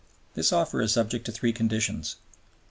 This offer is subject to three conditions.